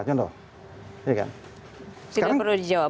tidak perlu dijawab